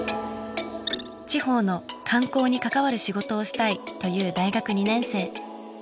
地方の観光に関わる仕事をしたいという大学２年生。